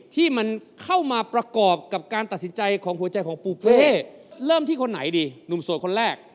ที่มันเข้ามาประกอบกับการตัดสินใจของหัวใจของปูเป้เริ่มที่คนไหนดีหนุ่มโสดคนแรก